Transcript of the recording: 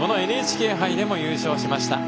このＮＨＫ杯でも優勝しました。